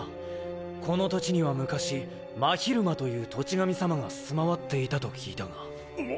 この土地には昔真昼間という土地神様が住まわっていたと聞いたが。